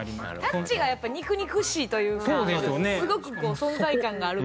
タッチがやっぱ肉々しいというかすごくこう存在感がある。